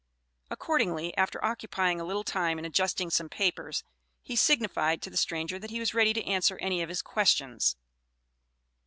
Accordingly, after occupying a little time in adjusting some papers, he signified to the stranger that he was ready to answer any of his questions.